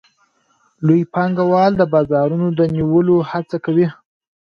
لوی پانګوال د بازارونو د نیولو هڅه کوي